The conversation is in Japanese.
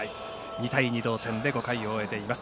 ２対２同点でここまでを終えています。